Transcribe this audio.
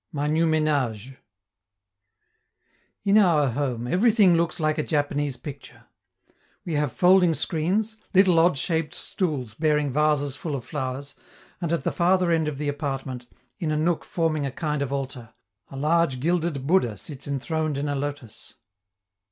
MY NEW MENAGE In our home, everything looks like a Japanese picture: we have folding screens, little odd shaped stools bearing vases full of flowers, and at the farther end of the apartment, in a nook forming a kind of altar, a large gilded Buddha sits enthroned in a lotus.